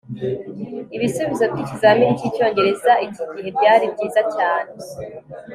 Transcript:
ibisubizo byikizamini cyicyongereza iki gihe byari byiza cyane